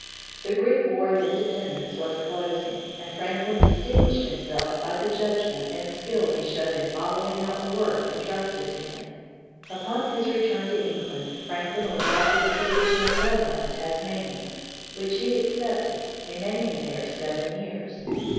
The Greek war of independence was closing, and Franklin distinguished himself by the judgment and skill he showed in following out the work intrusted to him. Upon his return to England, Franklin was offered the position of Governor of Tasmania, which he accepted, re maining there seven years.